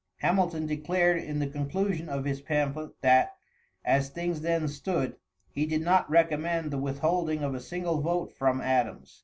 Hamilton declared in the conclusion of his pamphlet that, as things then stood, he did not recommend the withholding of a single vote from Adams.